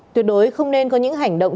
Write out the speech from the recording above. tuyệt đối không nên có những hành động